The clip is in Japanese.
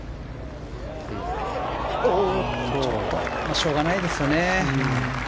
しょうがないですよね。